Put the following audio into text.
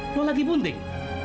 kamu lagi bunting